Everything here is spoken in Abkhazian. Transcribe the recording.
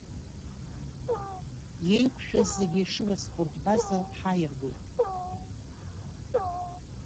Еиқәшәаз зегьы Ешыра аспортбаза, ҳаиаргоит.